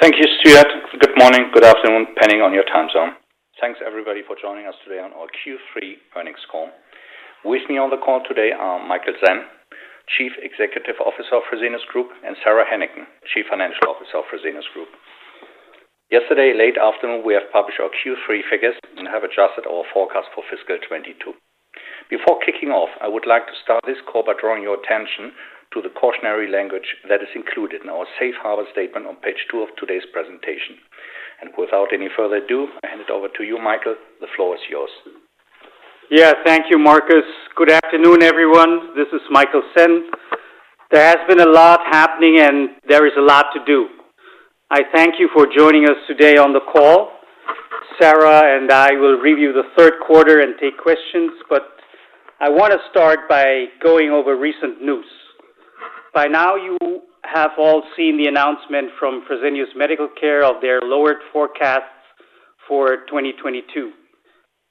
Thank you, Stuart. Good morning, good afternoon, depending on your time zone. Thanks, everybody for joining us today on our Q3 earnings call. With me on the call today are Michael Sen, Chief Executive Officer of Fresenius Group, and Sara Hennicken, Chief Financial Officer of Fresenius Group. Yesterday late afternoon, we have published our Q3 figures and have adjusted our forecast for fiscal 2022. Before kicking off, I would like to start this call by drawing your attention to the cautionary language that is included in our safe harbor statement on page 2 of today's presentation. Without any further ado, I hand it over to you, Michael. The floor is yours. Thank you, Markus. Good afternoon, everyone. This is Michael Sen. There has been a lot happening and there is a lot to do. I thank you for joining us today on the call. Sara and I will review the third quarter and take questions, but I want to start by going over recent news. By now, you have all seen the announcement from Fresenius Medical Care of their lowered forecasts for 2022.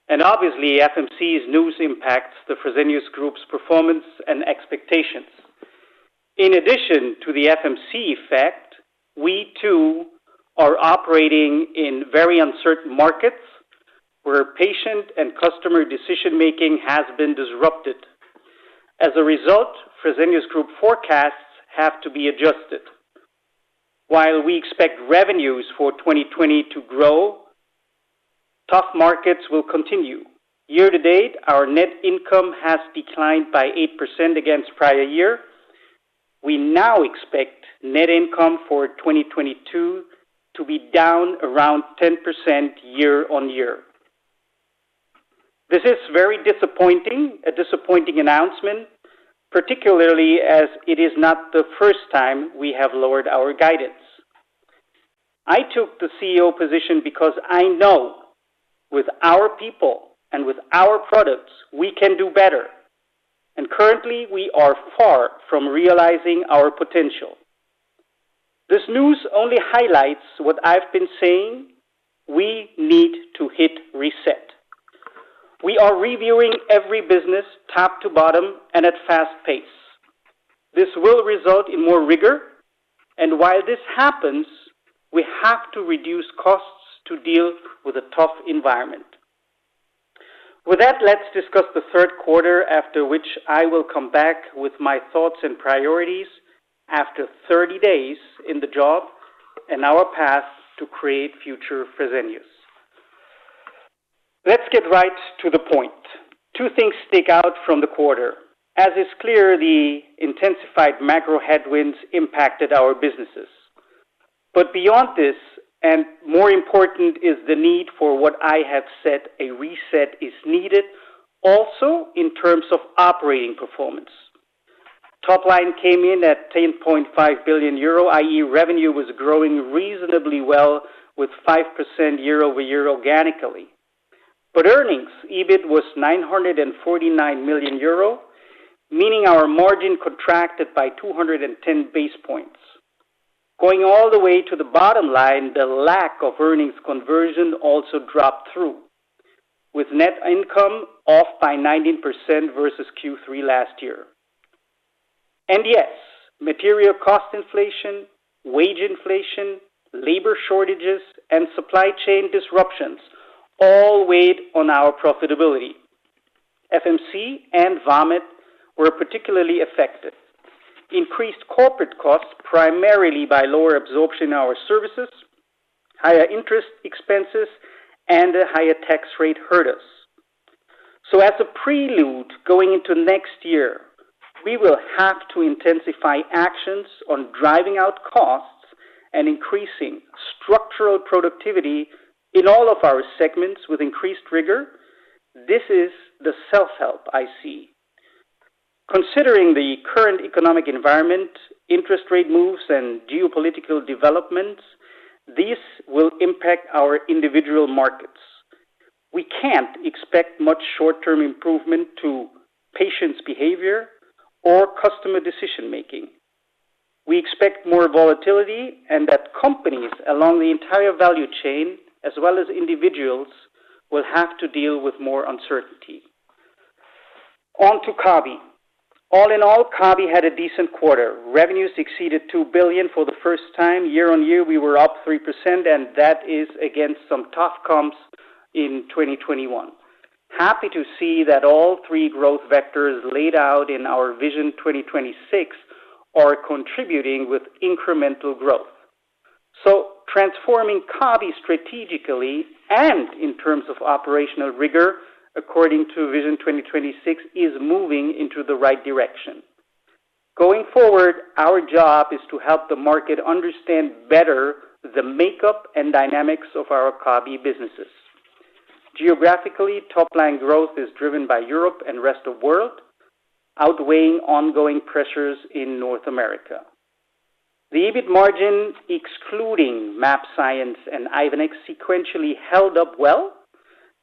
Obviously FMC's news impacts the Fresenius Group's performance and expectations. In addition to the FMC effect, we, too, are operating in very uncertain markets where patient and customer decision-making has been disrupted. As a result, Fresenius Group forecasts have to be adjusted. While we expect revenues for 2022 to grow, tough markets will continue. Year to date, our net income has declined by 8% against prior year. We now expect net income for 2022 to be down around 10% year-on-year. This is very disappointing, a disappointing announcement, particularly as it is not the first time we have lowered our guidance. I took the CEO position because I know with our people and with our products, we can do better. Currently, we are far from realizing our potential. This news only highlights what I've been saying, we need to hit reset. We are reviewing every business top to bottom and at fast pace. This will result in more rigor, and while this happens, we have to reduce costs to deal with a tough environment. With that, let's discuss the third quarter after which I will come back with my thoughts and priorities after 30 days in the job and our path to create future Fresenius. Let's get right to the point. Two things stick out from the quarter. As is clear, the intensified macro headwinds impacted our businesses. Beyond this, and more important, is the need for what I have said, a reset is needed also in terms of operating performance. Top line came in at 10.5 billion euro, i.e. revenue was growing reasonably well with 5% year-over-year organically. Earnings, EBIT was 949 million euro, meaning our margin contracted by 210 basis points. Going all the way to the bottom line, the lack of earnings conversion also dropped through, with net income off by 19% versus Q3 last year. Yes, material cost inflation, wage inflation, labor shortages, and supply chain disruptions all weighed on our profitability. FMC and Vamed were particularly affected. Increased corporate costs, primarily by lower absorption in our services, higher interest expenses, and a higher tax rate hurt us. As a prelude going into next year, we will have to intensify actions on driving out costs and increasing structural productivity in all of our segments with increased rigor. This is the self-help I see. Considering the current economic environment, interest rate moves, and geopolitical developments, these will impact our individual markets. We can't expect much short-term improvement to patients' behavior or customer decision-making. We expect more volatility and that companies along the entire value chain, as well as individuals, will have to deal with more uncertainty. On to Kabi. All in all, Kabi had a decent quarter. Revenues exceeded 2 billion for the first time. Year-on-year, we were up 3%, and that is against some tough comps in 2021. Happy to see that all three growth vectors laid out in our Vision 2026 are contributing with incremental growth. Transforming Kabi strategically and in terms of operational rigor according to Vision 2026 is moving into the right direction. Going forward, our job is to help the market understand better the makeup and dynamics of our Kabi businesses. Geographically, top-line growth is driven by Europe and rest of world, outweighing ongoing pressures in North America. The EBIT margin, excluding mAbxience and Ivenix, sequentially held up well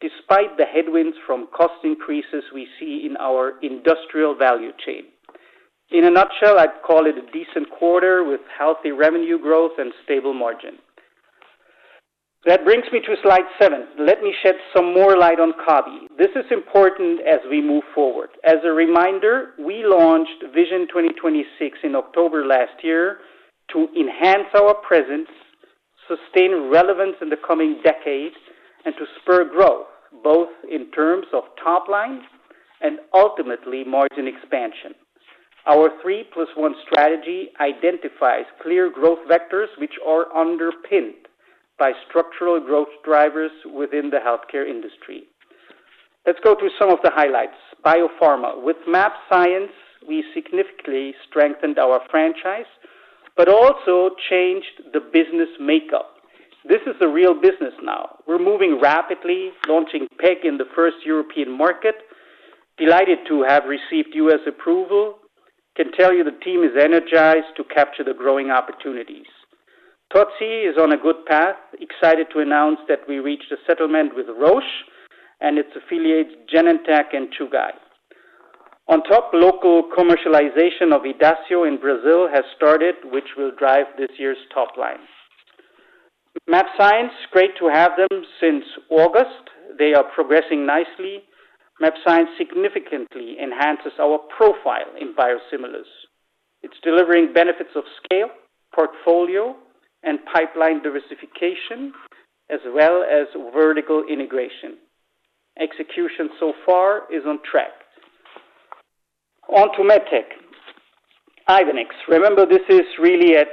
despite the headwinds from cost increases we see in our industrial value chain. In a nutshell, I'd call it a decent quarter with healthy revenue growth and stable margin. That brings me to slide seven. Let me shed some more light on Kabi. This is important as we move forward. As a reminder, we launched Vision 2026 in October last year to enhance our presence, sustain relevance in the coming decades, and to spur growth, both in terms of top line and ultimately margin expansion. Our three plus one strategy identifies clear growth vectors which are underpinned by structural growth drivers within the healthcare industry. Let's go through some of the highlights. Biopharma. With mAbxience, we significantly strengthened our franchise, but also changed the business makeup. This is a real business now. We're moving rapidly, launching peg in the first European market. Delighted to have received U.S. approval. Can tell you the team is energized to capture the growing opportunities. Tyenne is on a good path. Excited to announce that we reached a settlement with Roche and its affiliates, Genentech and Chugai. On top, local commercialization of Idacio in Brazil has started, which will drive this year's top line. MAbxience, great to have them since August. They are progressing nicely. MAbxience significantly enhances our profile in biosimilars. It's delivering benefits of scale, portfolio, and pipeline diversification, as well as vertical integration. Execution so far is on track. On to MedTech. Ivenix. Remember, this is really at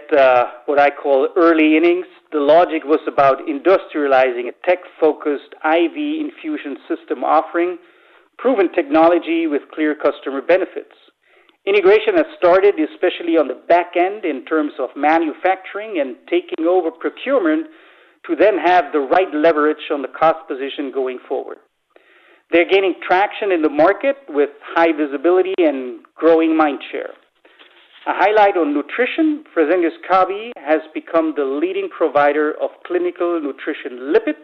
what I call early innings. The logic was about industrializing a tech-focused IV infusion system offering proven technology with clear customer benefits. Integration has started, especially on the back end in terms of manufacturing and taking over procurement to then have the right leverage on the cost position going forward. They're gaining traction in the market with high visibility and growing mind share. A highlight on nutrition, Fresenius Kabi has become the leading provider of clinical nutrition lipids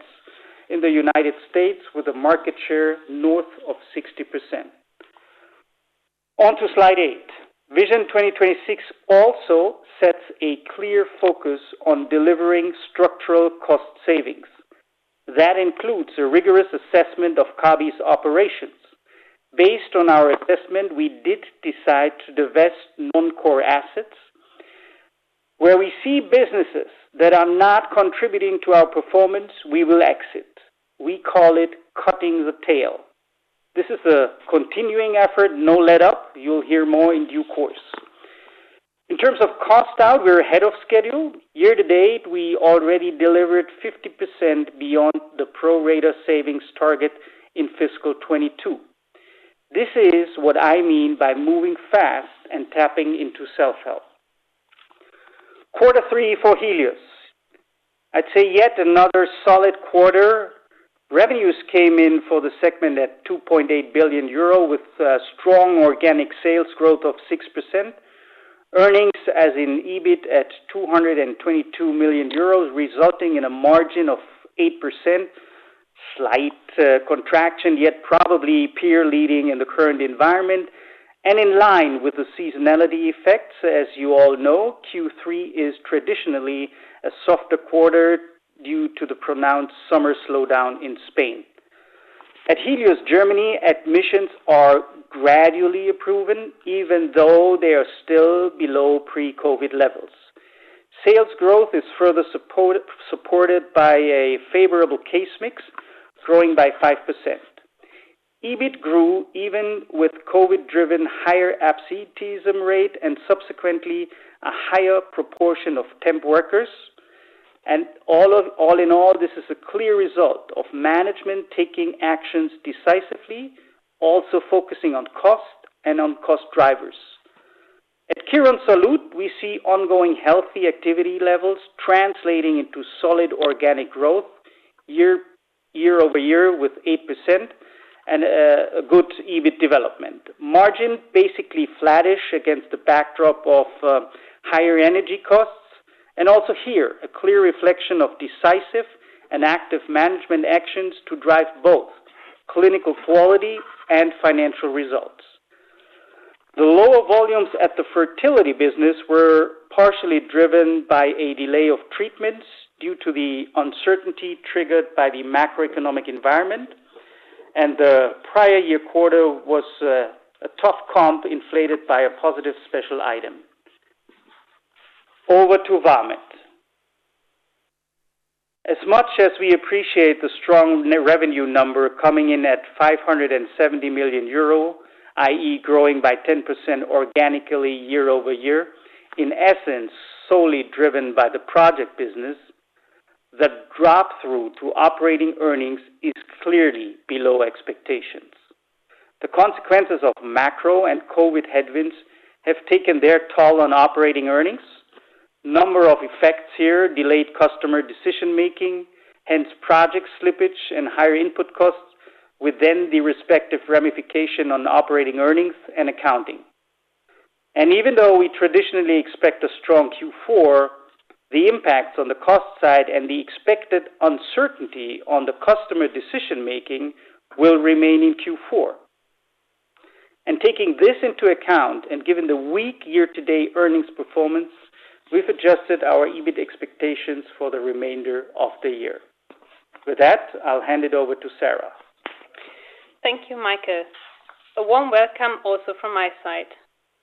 in the United States with a market share north of 60%. On to slide 8. Vision 2026 also sets a clear focus on delivering structural cost savings. That includes a rigorous assessment of Kabi's operations. Based on our assessment, we did decide to divest non-core assets. Where we see businesses that are not contributing to our performance, we will exit. We call it cutting the tail. This is a continuing effort, no letup. You'll hear more in due course. In terms of cost out, we're ahead of schedule. Year to date, we already delivered 50% beyond the pro rata savings target in fiscal 2022. This is what I mean by moving fast and tapping into self-help. Quarter three for Helios. I'd say yet another solid quarter. Revenues came in for the segment at 2.8 billion euro with strong organic sales growth of 6%. Earnings as in EBIT at 222 million euros, resulting in a margin of 8%. Slight contraction, yet probably peer leading in the current environment and in line with the seasonality effects. As you all know, Q3 is traditionally a softer quarter due to the pronounced summer slowdown in Spain. At Helios Germany, admissions are gradually improving even though they are still below pre-COVID levels. Sales growth is further supported by a favorable case mix growing by 5%. EBIT grew even with COVID-driven higher absenteeism rate and subsequently a higher proportion of temp workers. All in all, this is a clear result of management taking actions decisively, also focusing on cost and on cost drivers. At Quirónsalud, we see ongoing healthy activity levels translating into solid organic growth year-over-year with 8% and a good EBIT development. Margin basically flattish against the backdrop of higher energy costs. Also here, a clear reflection of decisive and active management actions to drive both clinical quality and financial results. The lower volumes at the fertility business were partially driven by a delay of treatments due to the uncertainty triggered by the macroeconomic environment, and the prior year quarter was a tough comp inflated by a positive special item. Over to Vamed. As much as we appreciate the strong revenue number coming in at 570 million euro, i.e. growing by 10% organically year-over-year, in essence, solely driven by the project business, the drop-through to operating earnings is clearly below expectations. The consequences of macro and COVID headwinds have taken their toll on operating earnings. Number of effects here, delayed customer decision-making, hence project slippage and higher input costs within the respective ramification on operating earnings and accounting. Even though we traditionally expect a strong Q4, the impacts on the cost side and the expected uncertainty on the customer decision-making will remain in Q4. Taking this into account, and given the weak year-to-date earnings performance, we've adjusted our EBIT expectations for the remainder of the year. With that, I'll hand it over to Sara. Thank you, Michael. A warm welcome also from my side.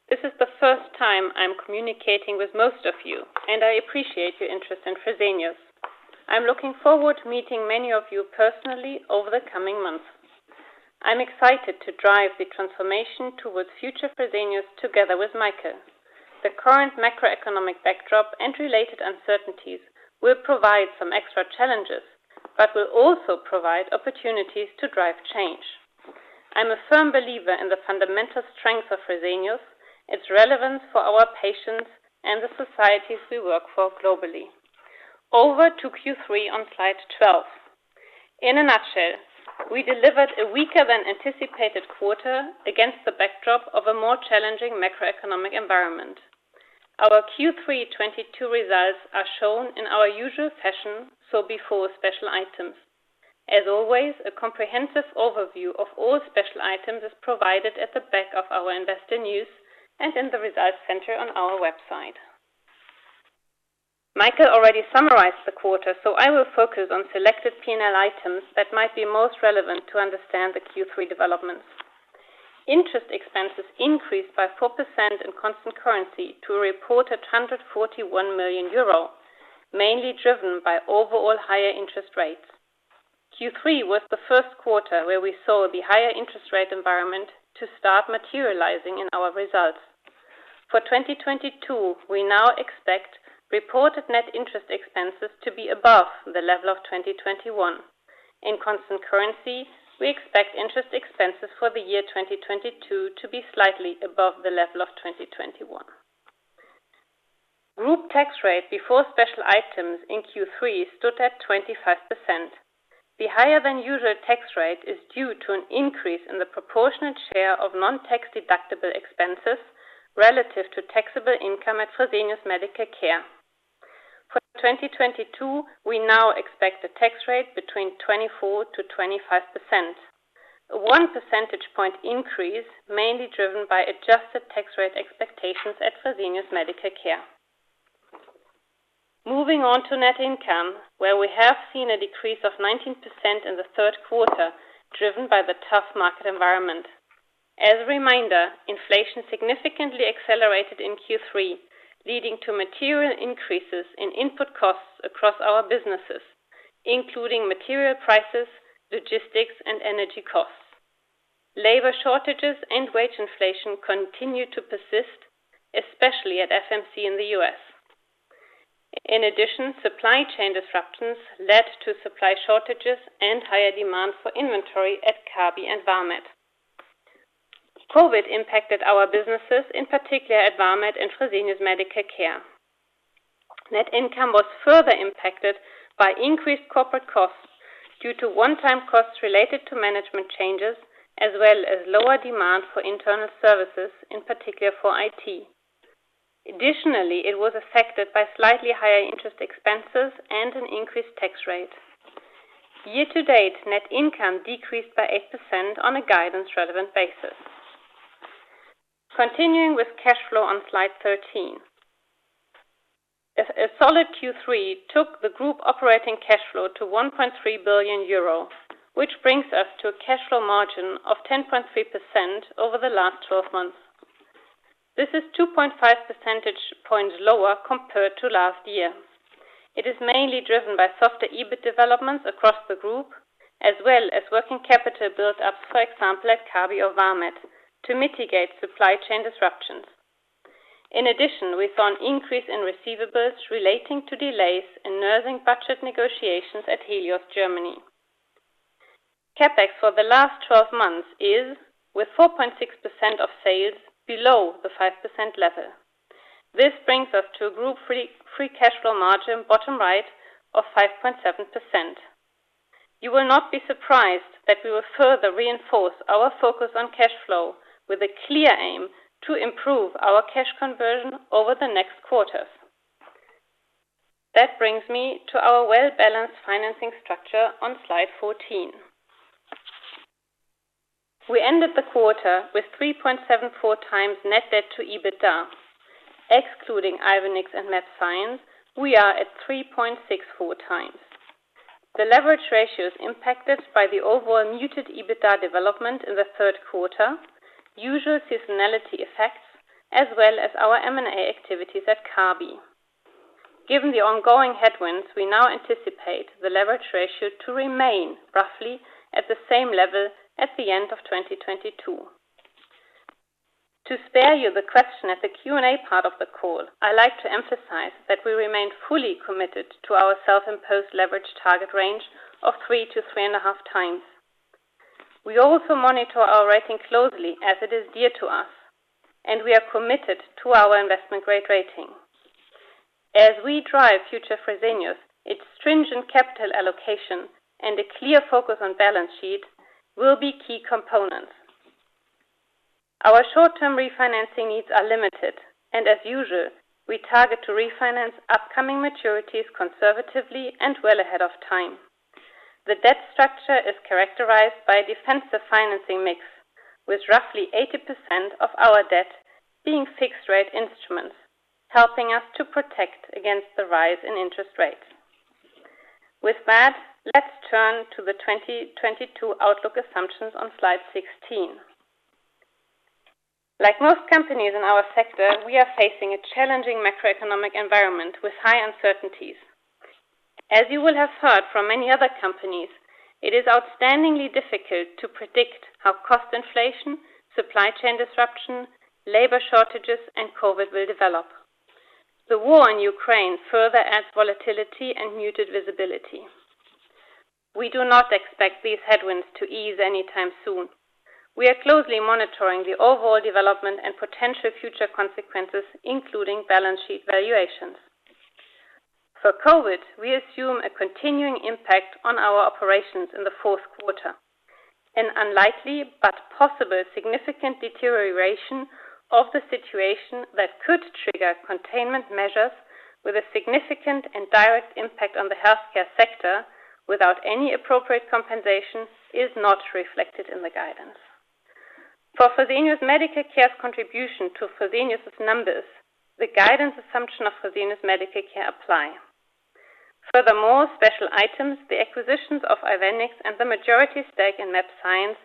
This is the first time I'm communicating with most of you, and I appreciate your interest in Fresenius. I'm looking forward to meeting many of you personally over the coming months. I'm excited to drive the transformation towards future Fresenius together with Michael. The current macroeconomic backdrop and related uncertainties will provide some extra challenges, but will also provide opportunities to drive change. I'm a firm believer in the fundamental strength of Fresenius, its relevance for our patients and the societies we work for globally. Over to Q3 on slide 12. In a nutshell, we delivered a weaker than anticipated quarter against the backdrop of a more challenging macroeconomic environment. Our Q3 2022 results are shown in our usual fashion, so before special items. As always, a comprehensive overview of all special items is provided at the back of our investor news and in the results center on our website. Michael already summarized the quarter, so I will focus on selected P&L items that might be most relevant to understand the Q3 developments. Interest expenses increased by 4% in constant currency to a reported 141 million euro, mainly driven by overall higher interest rates. Q3 was the first quarter where we saw the higher interest rate environment to start materializing in our results. For 2022, we now expect reported net interest expenses to be above the level of 2021. In constant currency, we expect interest expenses for the year 2022 to be slightly above the level of 2021. Group tax rate before special items in Q3 stood at 25%. The higher than usual tax rate is due to an increase in the proportionate share of non-tax deductible expenses relative to taxable income at Fresenius Medical Care. For 2022, we now expect a tax rate between 24%-25%. A 1 percentage point increase, mainly driven by adjusted tax rate expectations at Fresenius Medical Care. Moving on to net income, where we have seen a decrease of 19% in the third quarter, driven by the tough market environment. As a reminder, inflation significantly accelerated in Q3, leading to material increases in input costs across our businesses, including material prices, logistics and energy costs. Labor shortages and wage inflation continue to persist, especially at FMC in the U.S. In addition, supply chain disruptions led to supply shortages and higher demand for inventory at Kabi and Vamed. COVID impacted our businesses, in particular at Vamed and Fresenius Medical Care. Net income was further impacted by increased corporate costs due to one-time costs related to management changes, as well as lower demand for internal services, in particular for IT. Additionally, it was affected by slightly higher interest expenses and an increased tax rate. Year to date, net income decreased by 8% on a guidance relevant basis. Continuing with cash flow on slide 13. A solid Q3 took the group operating cash flow to 1.3 billion euro, which brings us to a cash flow margin of 10.3% over the last 12 months. This is 2.5 percentage points lower compared to last year. It is mainly driven by softer EBIT developments across the group, as well as working capital build-ups, for example, at Kabi or Vamed to mitigate supply chain disruptions. In addition, we saw an increase in receivables relating to delays in nursing budget negotiations at Helios Germany. CapEx for the last 12 months is, with 4.6% of sales below the 5% level. This brings us to a group free cash flow margin, bottom right, of 5.7%. You will not be surprised that we will further reinforce our focus on cash flow with a clear aim to improve our cash conversion over the next quarters. That brings me to our well-balanced financing structure on slide 14. We ended the quarter with 3.74x net debt to EBITDA. Excluding Ivenix and MedTech, we are at 3.64x. The leverage ratio is impacted by the overall muted EBITDA development in the third quarter, usual seasonality effects, as well as our M&A activities at Kabi. Given the ongoing headwinds, we now anticipate the leverage ratio to remain roughly at the same level at the end of 2022. To spare you the question at the Q&A part of the call, I like to emphasize that we remain fully committed to our self-imposed leverage target range of 3 to 3.5x. We also monitor our rating closely as it is dear to us, and we are committed to our investment grade rating. As we drive future Fresenius, its stringent capital allocation and a clear focus on balance sheet will be key components. Our short-term refinancing needs are limited, and as usual, we target to refinance upcoming maturities conservatively and well ahead of time. The debt structure is characterized by a defensive financing mix with roughly 80% of our debt being fixed rate instruments, helping us to protect against the rise in interest rates. With that, let's turn to the 2022 outlook assumptions on slide 16. Like most companies in our sector, we are facing a challenging macroeconomic environment with high uncertainties. As you will have heard from many other companies, it is outstandingly difficult to predict how cost inflation, supply chain disruption, labor shortages and COVID will develop. The war in Ukraine further adds volatility and muted visibility. We do not expect these headwinds to ease anytime soon. We are closely monitoring the overall development and potential future consequences, including balance sheet valuations. For COVID, we assume a continuing impact on our operations in the fourth quarter. An unlikely but possible significant deterioration of the situation that could trigger containment measures with a significant and direct impact on the healthcare sector without any appropriate compensation is not reflected in the guidance. For Fresenius Medical Care's contribution to Fresenius's numbers, the guidance assumption of Fresenius Medical Care apply. Furthermore, special items, the acquisitions of Ivenix and the majority stake in mAbxience,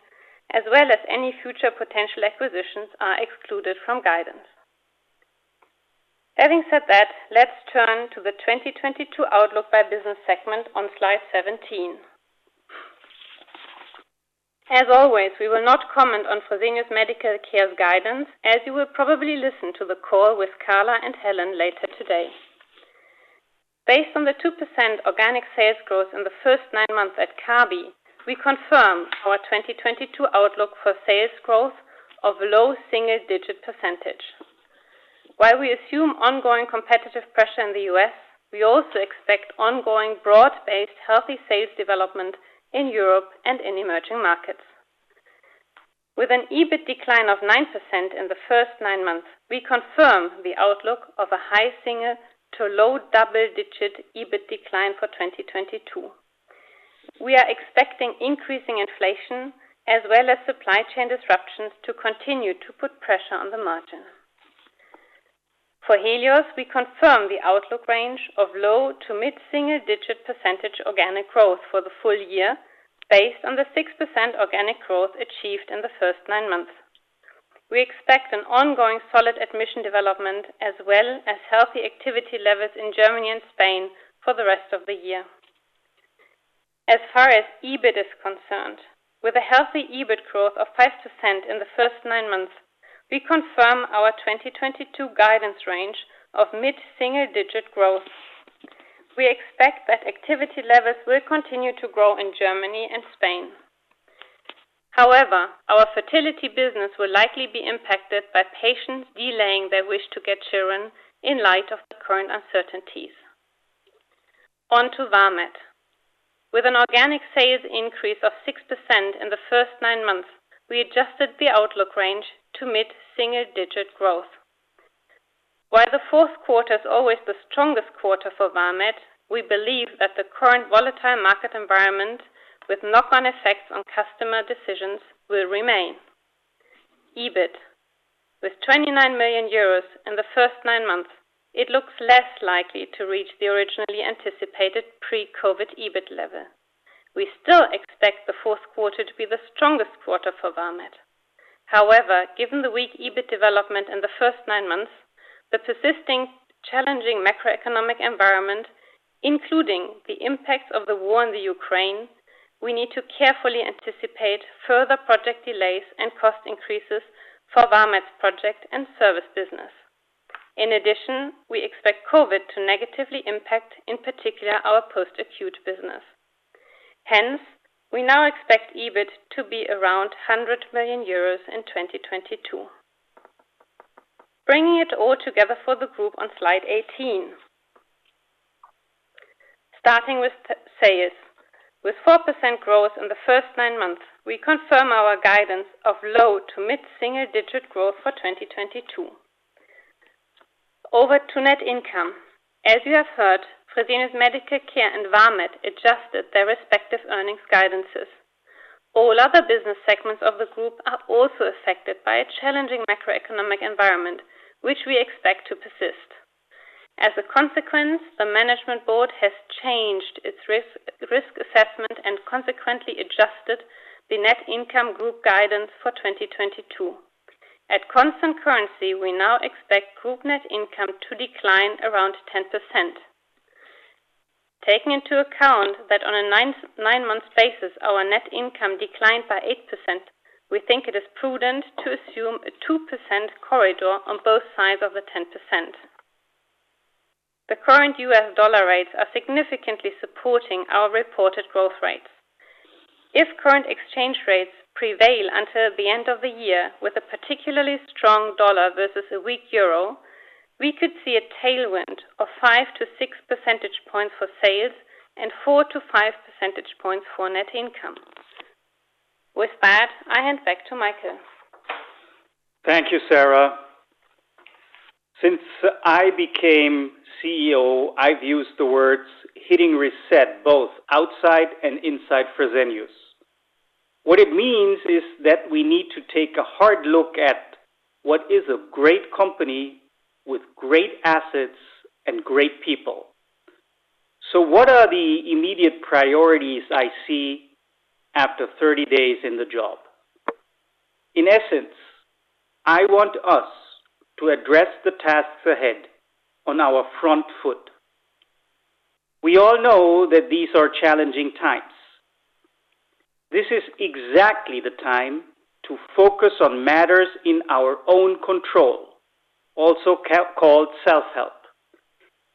as well as any future potential acquisitions are excluded from guidance. Having said that, let's turn to the 2022 outlook by business segment on slide 17. As always, we will not comment on Fresenius Medical Care's guidance as you will probably listen to the call with Carla and Helen later today. Based on the 2% organic sales growth in the first nine months at Kabi, we confirm our 2022 outlook for sales growth of low single-digit percentage. While we assume ongoing competitive pressure in the U.S., we also expect ongoing broad-based healthy sales development in Europe and in emerging markets. With an EBIT decline of 9% in the first nine months, we confirm the outlook of a high single- to low double-digit % EBIT decline for 2022. We are expecting increasing inflation as well as supply chain disruptions to continue to put pressure on the margin. For Helios, we confirm the outlook range of low- to mid-single-digit % organic growth for the full year based on the 6% organic growth achieved in the first nine months. We expect an ongoing solid admission development as well as healthy activity levels in Germany and Spain for the rest of the year. As far as EBIT is concerned, with a healthy EBIT growth of 5% in the first nine months, we confirm our 2022 guidance range of mid-single-digit % growth. We expect that activity levels will continue to grow in Germany and Spain. However, our fertility business will likely be impacted by patients delaying their wish to get children in light of the current uncertainties. On to Vamed. With an organic sales increase of 6% in the first nine months, we adjusted the outlook range to mid-single digit growth. While the fourth quarter is always the strongest quarter for Vamed, we believe that the current volatile market environment with knock-on effects on customer decisions will remain. EBIT. With 29 million euros in the first nine months, it looks less likely to reach the originally anticipated pre-COVID EBIT level. We still expect the fourth quarter to be the strongest quarter for Vamed. However, given the weak EBIT development in the first nine months, the persisting challenging macroeconomic environment, including the impact of the war in the Ukraine, we need to carefully anticipate further project delays and cost increases for Vamed's project and service business. In addition, we expect COVID to negatively impact, in particular, our post-acute business. Hence, we now expect EBIT to be around 100 million euros in 2022. Bringing it all together for the group on slide 18. Starting with sales. With 4% growth in the first nine months, we confirm our guidance of low- to mid-single-digit growth for 2022. Over to net income. As you have heard, Fresenius Medical Care and Vamed adjusted their respective earnings guidances. All other business segments of the group are also affected by a challenging macroeconomic environment, which we expect to persist. As a consequence, the management board has changed its risk assessment and consequently adjusted the net income group guidance for 2022. At constant currency, we now expect group net income to decline around 10%. Taking into account that on a nine-month basis, our net income declined by 8%, we think it is prudent to assume a 2% corridor on both sides of the 10%. The current U.S. dollar rates are significantly supporting our reported growth rates. If current exchange rates prevail until the end of the year with a particularly strong dollar versus a weak euro, we could see a tailwind of 5-6 percentage points for sales and 4-5 percentage points for net income. With that, I hand back to Michael. Thank you, Sara. I became CEO, I've used the words hitting reset both outside and inside Fresenius. What it means is that we need to take a hard look at what is a great company with great assets and great people. What are the immediate priorities I see after 30 days in the job? In essence, I want us to address the tasks ahead on our front foot. We all know that these are challenging times. This is exactly the time to focus on matters in our own control, also called self-help.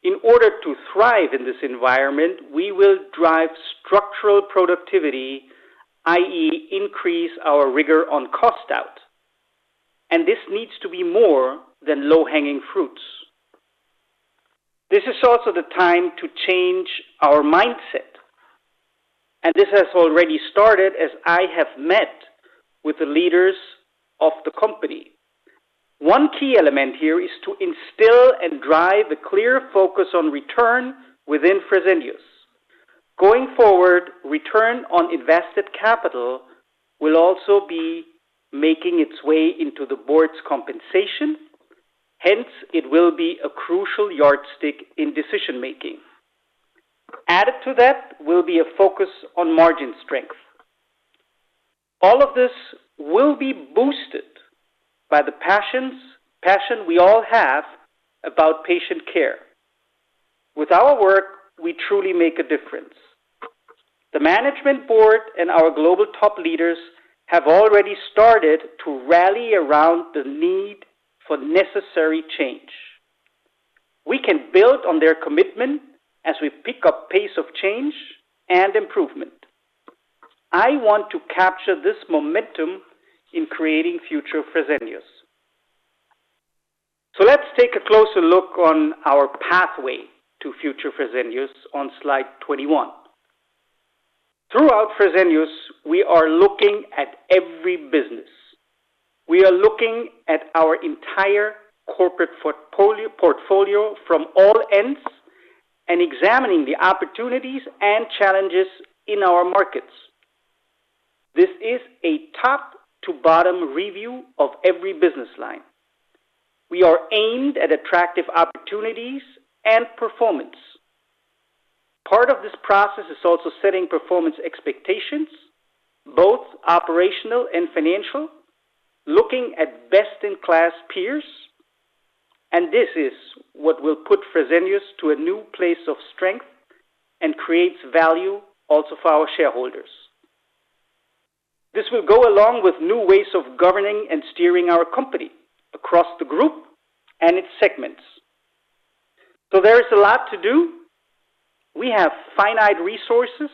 In order to thrive in this environment, we will drive structural productivity, i.e. increase our rigor on cost out, and this needs to be more than low-hanging fruits. This is also the time to change our mindset, and this has already started as I have met with the leaders of the company. One key element here is to instill and drive a clear focus on return within Fresenius. Going forward, return on invested capital will also be making its way into the board's compensation. Hence, it will be a crucial yardstick in decision-making. Added to that will be a focus on margin strength. All of this will be boosted by the passion we all have about patient care. With our work, we truly make a difference. The management board and our global top leaders have already started to rally around the need for necessary change. We can build on their commitment as we pick up pace of change and improvement. I want to capture this momentum in creating future Fresenius. Let's take a closer look on our pathway to future Fresenius on slide 21. Throughout Fresenius, we are looking at every business. We are looking at our entire corporate portfolio from all ends and examining the opportunities and challenges in our markets. This is a top to bottom review of every business line. We are aimed at attractive opportunities and performance. Part of this process is also setting performance expectations, both operational and financial, looking at best in class peers, and this is what will put Fresenius to a new place of strength and creates value also for our shareholders. This will go along with new ways of governing and steering our company across the group and its segments. There is a lot to do. We have finite resources,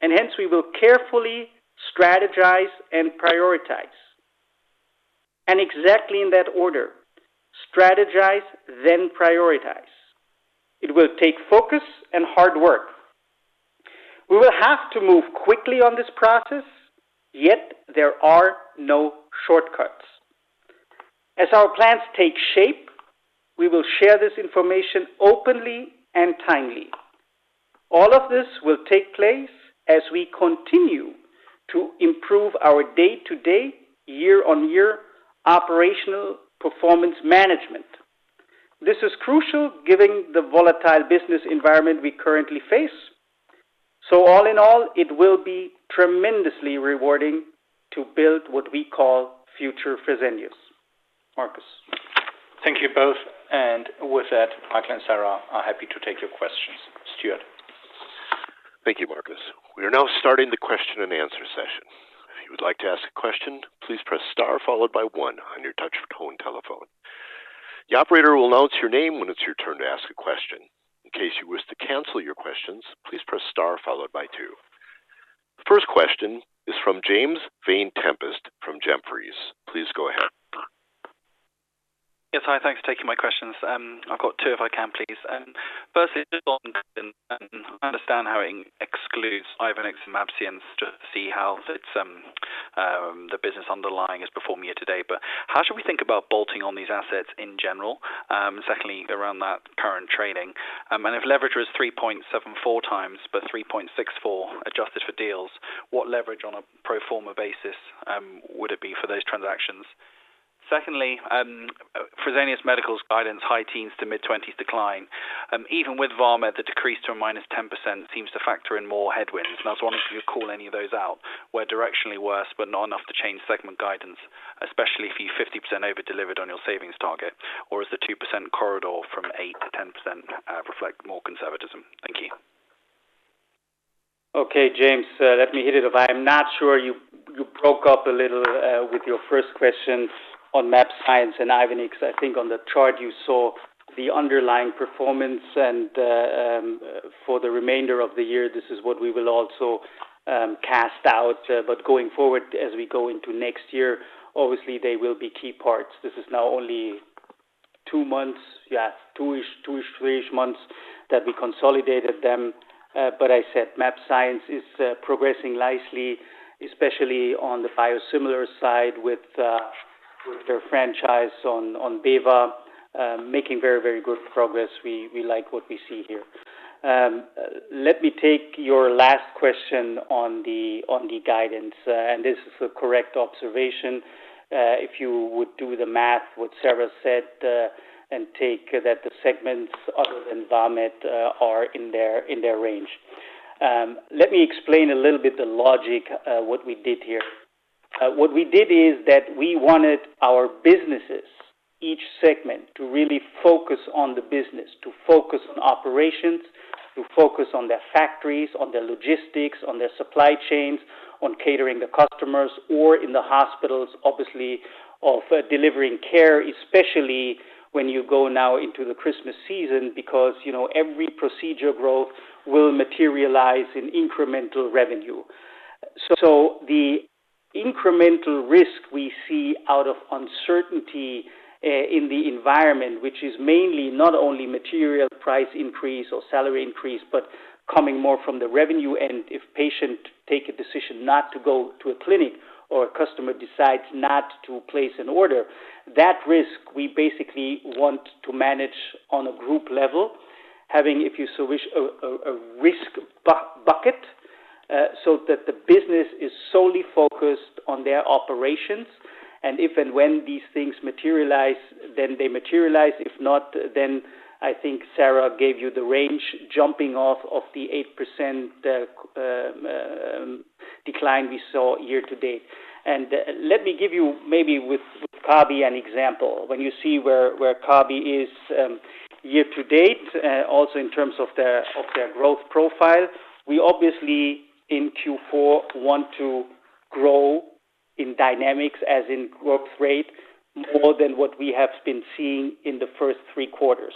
and hence we will carefully strategize and prioritize. Exactly in that order, strategize then prioritize. It will take focus and hard work. We will have to move quickly on this process, yet there are no shortcuts. As our plans take shape, we will share this information openly and timely. All of this will take place as we continue to improve our day-to-day, year-on-year operational performance management. This is crucial given the volatile business environment we currently face. All in all, it will be tremendously rewarding to build what we call future Fresenius. Michael Schönhofen. Thank you both. With that, Michael Sen and Sara Hennicken are happy to take your questions. Stuart. Thank you, Markus. We are now starting the question and answer session. If you would like to ask a question, please press star followed by one on your touch tone telephone. The operator will announce your name when it's your turn to ask a question. In case you wish to cancel your questions, please press star followed by two. The first question is from James Vane-Tempest from Jefferies. Please go ahead. Yes. Hi. Thanks for taking my questions. I've got two if I can, please. Firstly, understand how it excludes Ivenix and mAbxience to see how it's the underlying business is performing year to date. How should we think about bolting on these assets in general? Secondly, around that current trading, and if leverage was 3.74x but 3.64 adjusted for deals, what leverage on a pro forma basis would it be for those transactions? Secondly, Fresenius Medical Care's guidance high-teens to mid-20s decline. Even with Vamed, the decrease to a -10% seems to factor in more headwinds. I was wondering if you could call any of those out, were directionally worse, but not enough to change segment guidance, especially if you 50% over-delivered on your savings target, or is the 2% corridor from 8%-10%, reflect more conservatism? Thank you. Okay, James, let me hit it. I'm not sure you broke up a little with your first question on mAbxience and Ivenix. I think on the chart you saw the underlying performance and for the remainder of the year, this is what we will also forecast. Going forward as we go into next year, obviously they will be key parts. This is now only two months. Yeah. Two-three months that we consolidated them. I said, mAbxience is progressing nicely, especially on the biosimilar side with their franchise on bevacizumab making very, very good progress. We like what we see here. Let me take your last question on the guidance. This is a correct observation. If you would do the math, what Sara said, and take that the segments other than Vamed are in their range. Let me explain a little bit the logic, what we did here. What we did is that we wanted our businesses, each segment, to really focus on the business, to focus on operations, to focus on their factories, on their logistics, on their supply chains, on catering to the customers or in the hospitals, obviously, of delivering care, especially when you go now into the Christmas season, because, you know, every procedure growth will materialize in incremental revenue. The incremental risk we see out of uncertainty in the environment, which is mainly not only material price increase or salary increase, but coming more from the revenue end, if patient take a decision not to go to a clinic or a customer decides not to place an order. That risk we basically want to manage on a group level, having, if you so wish, a risk bucket so that the business is solely focused on their operations. If and when these things materialize, then they materialize. If not, then I think Sara gave you the range jumping off of the 8% decline we saw year to date. Let me give you maybe with Kabi an example. When you see where Kabi is year to date also in terms of their growth profile, we obviously in Q4 want to grow in dynamics as in growth rate more than what we have been seeing in the first three quarters.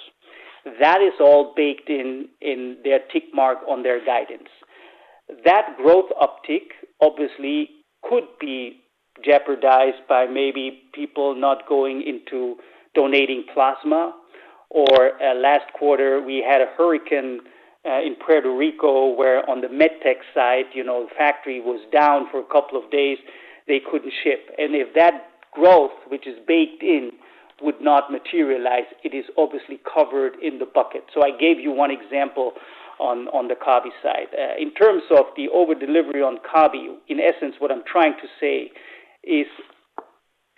That is all baked in their tick mark on their guidance. That growth uptick obviously could be jeopardized by maybe people not going into donating plasma. Last quarter, we had a hurricane in Puerto Rico, where on the med tech side, you know, the factory was down for a couple of days, they couldn't ship. If that growth, which is baked in, would not materialize, it is obviously covered in the bucket. I gave you one example on the Kabi side. In terms of the over delivery on Kabi, in essence, what I'm trying to say is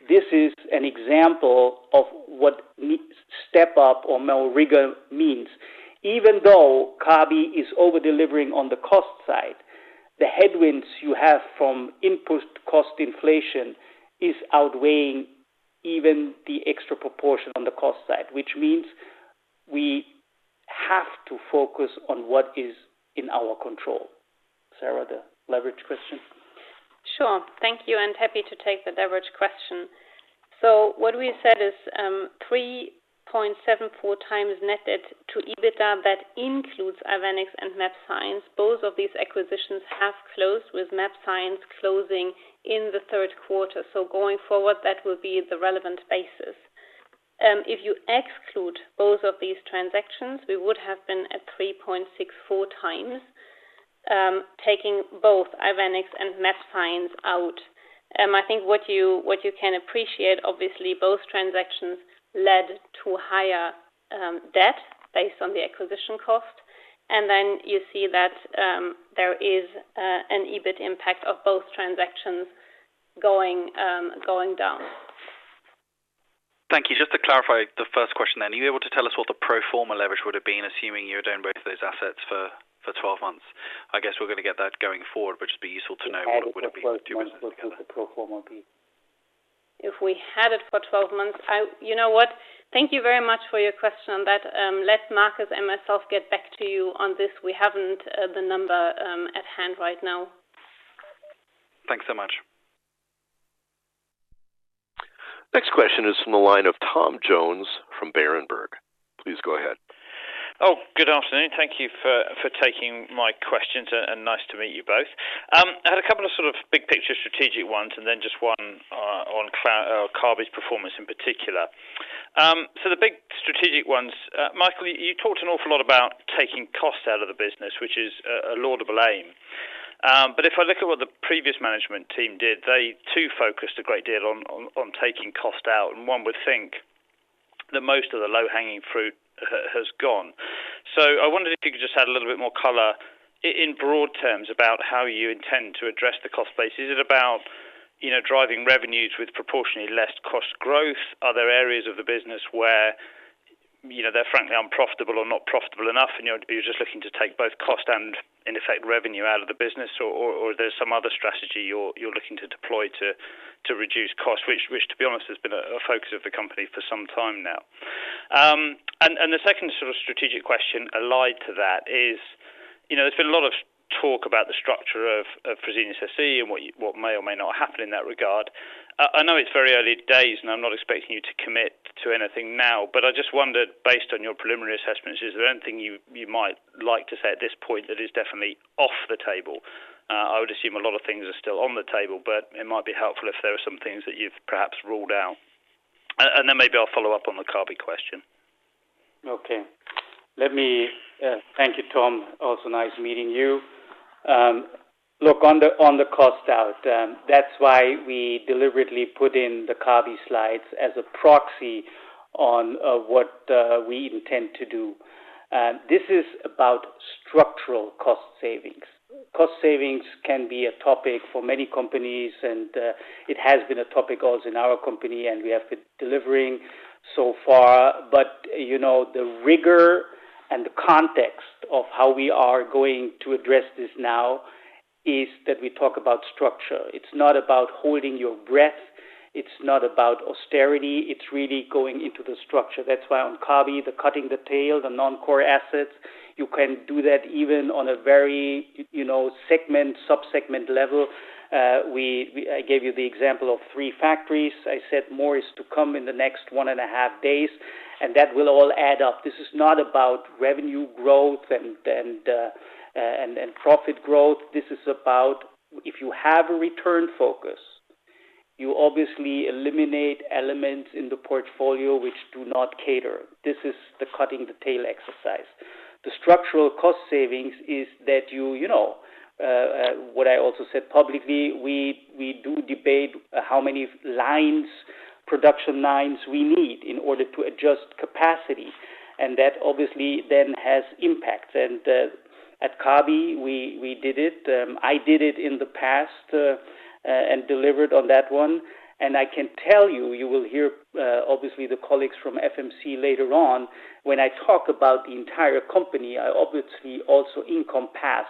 this is an example of what needs step up or more rigor means. Even though Kabi is over-delivering on the cost side, the headwinds you have from input cost inflation is outweighing even the extra proportion on the cost side, which means we have to focus on what is in our control. Sara, the leverage question. Sure. Thank you, and happy to take the leverage question. What we said is, 3.74x net debt to EBITDA. That includes Ivenix and mAbxience. Both of these acquisitions have closed with mAbxience closing in the third quarter. Going forward, that will be the relevant basis. If you exclude both of these transactions, we would have been at 3.64x, taking both Ivenix and mAbxience out. I think what you can appreciate, obviously, both transactions led to higher debt based on the acquisition cost. Then you see that there is an EBIT impact of both transactions going down. Thank you. Just to clarify the first question then. Are you able to tell us what the pro forma leverage would have been, assuming you were down both of those assets for 12 months? I guess we're going to get that going forward, which would be useful to know what it would have been for two months. If we had it for 12 months, what would the pro forma be? If we had it for 12 months. You know what, thank you very much for your question on that. Let Markus and myself get back to you on this. We haven't the number at hand right now. Thanks so much. Next question is from the line of Tom Jones from Berenberg. Please go ahead. Good afternoon. Thank you for taking my questions, and nice to meet you both. I had a couple of sort of big picture strategic ones and then just one on Kabi's performance in particular. The big strategic ones, Michael, you talked an awful lot about taking costs out of the business, which is a laudable aim. If I look at what the previous management team did, they too focused a great deal on taking costs out, and one would think that most of the low-hanging fruit has gone. I wondered if you could just add a little bit more color in broad terms about how you intend to address the cost base. Is it about, you know, driving revenues with proportionally less cost growth? Are there areas of the business where, you know, they're frankly unprofitable or not profitable enough, and you're just looking to take both cost and in effect, revenue out of the business? Or there's some other strategy you're looking to deploy to reduce cost, which, to be honest, has been a focus of the company for some time now. And the second sort of strategic question allied to that is, you know, there's been a lot of talk about the structure of Fresenius SE and what may or may not happen in that regard. I know it's very early days, and I'm not expecting you to commit to anything now, but I just wondered, based on your preliminary assessments, is there anything you might like to say at this point that is definitely off the table? I would assume a lot of things are still on the table, but it might be helpful if there are some things that you've perhaps ruled out. Maybe I'll follow up on the Kabi question. Okay. Let me thank you, Tom. Also nice meeting you. Look on the cost out, that's why we deliberately put in the Kabi slides as a proxy on what we intend to do. This is about structural cost savings. Cost savings can be a topic for many companies, and it has been a topic also in our company, and we have been delivering so far. You know, the rigor and the context of how we are going to address this now is that we talk about structure. It's not about holding your breath, it's not about austerity, it's really going into the structure. That's why on Kabi, cutting the tail, the non-core assets, you can do that even on a very you know, segment, sub-segment level. I gave you the example of three factories. I said more is to come in the next one and a half days, and that will all add up. This is not about revenue growth and profit growth. This is about if you have a return focus, you obviously eliminate elements in the portfolio which do not cater. This is the cutting the tail exercise. The structural cost savings is that what I also said publicly, we do debate how many lines, production lines we need in order to adjust capacity. That obviously then has impact. At Kabi, we did it. I did it in the past and delivered on that one. I can tell you will hear obviously the colleagues from FMC later on when I talk about the entire company. I obviously also encompass,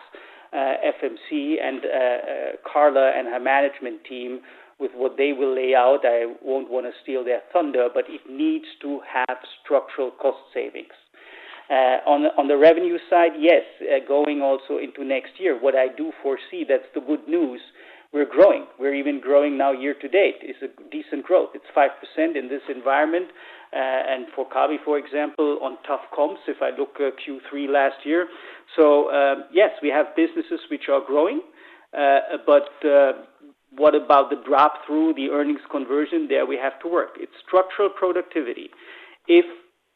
FMC and, Carla and her management team with what they will lay out. I won't wanna steal their thunder, but it needs to have structural cost savings. On the revenue side, yes, going also into next year, what I do foresee, that's the good news, we're growing. We're even growing now year to date. It's a decent growth. It's 5% in this environment. For Kabi, for example, on tough comps, if I look at Q3 last year. Yes, we have businesses which are growing. What about the drop through the earnings conversion? There we have to work. It's structural productivity. If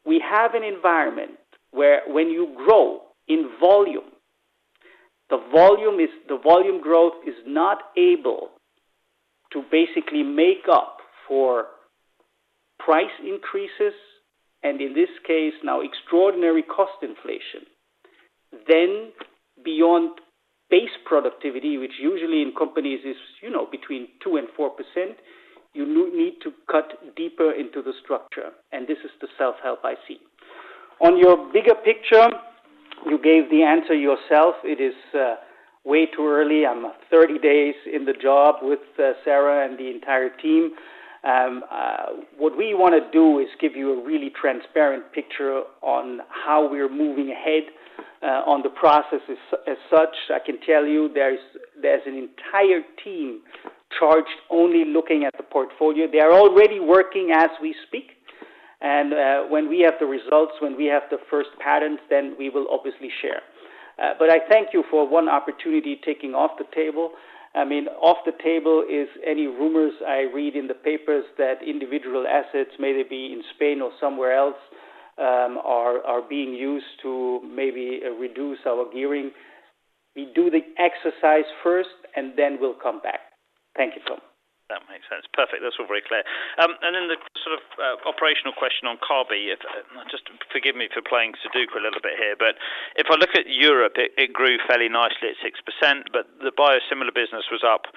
we have an environment where when you grow in volume, the volume growth is not able to basically make up for price increases, and in this case now extraordinary cost inflation, then beyond base productivity, which usually in companies is, you know, between 2% and 4%, you need to cut deeper into the structure. This is the self-help I see. On your bigger picture, you gave the answer yourself. It is way too early. I'm 30 days in the job with Sara and the entire team. What we wanna do is give you a really transparent picture on how we're moving ahead on the processes as such. I can tell you there's an entire team charged only looking at the portfolio. They are already working as we speak. When we have the results, when we have the first patterns, then we will obviously share. I thank you for one opportunity taking off the table. I mean, off the table is any rumors I read in the papers that individual assets, may they be in Spain or somewhere else, are being used to maybe reduce our gearing. We do the exercise first, and then we'll come back. Thank you, Tom. That makes sense. Perfect. That's all very clear. Then the sort of operational question on Kabi. If just forgive me for playing Sudoku a little bit here, but if I look at Europe, it grew fairly nicely at 6%, but the biosimilar business was up,